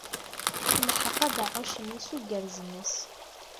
Temḥeq abeɛɛuc-nni s ugerz-nnes.